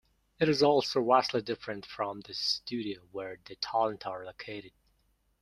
It is also vastly different from the studio where the talent are located.